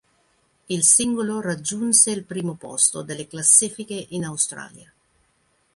Il singolo raggiunse il primo posto delle classifiche in Australia.